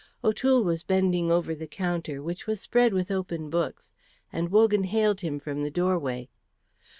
O'Toole was bending over the counter, which was spread with open books, and Wogan hailed him from the doorway.